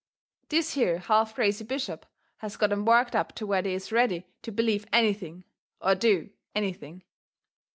This here half crazy bishop has got 'em worked up to where they is ready to believe anything, or do anything.